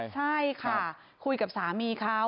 ใช่ค่ะคุยกับสามีเขา